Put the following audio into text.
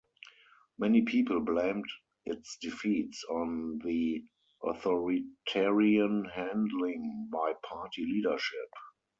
Many people blamed its defeats on the authoritarian handling by party leadership.